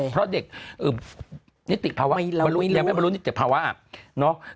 เพราะเด็กนิติภาวะยังไม่บรรลุนิติภาวะเนาะ